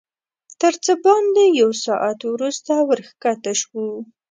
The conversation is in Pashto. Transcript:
تر څه باندې یو ساعت وروسته ورښکته شوو.